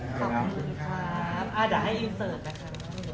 ขอบคุณครับเดี๋ยวให้อินเสิร์ตนะคะ